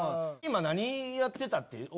今何やってたって？